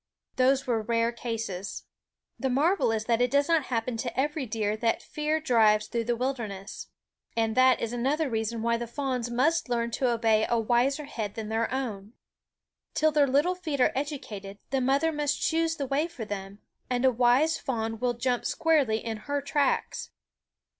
Those were rare cases. THE WOODS The marvel is that it does not happen to every deer that fear drives through the wilderness. And that is another reason why the fawns must learn to obey a wiser head than their own. Till their little feet are educated, the mother must choose the way for them ; and a wise fawn will jump squarely in her tracks.